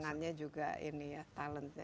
sebenarnya juga ini ya talentnya